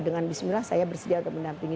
dengan bismillah saya bersedia untuk mendampingi